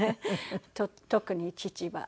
特に父は。